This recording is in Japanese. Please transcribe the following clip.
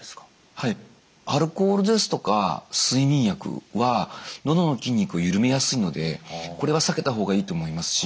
はいアルコールですとか睡眠薬はのどの筋肉をゆるめやすいのでこれは避けた方がいいと思いますし